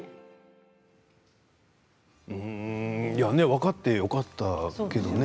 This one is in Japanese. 分かってよかったけどね。